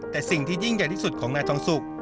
แต่สิ่งที่ยิ่งใหญ่ที่สุดของนายทองสุก